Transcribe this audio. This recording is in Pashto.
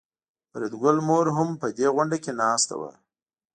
د فریدګل مور هم په دې غونډه کې ناسته وه